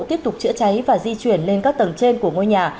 tiếp tục chữa cháy và di chuyển lên các tầng trên của ngôi nhà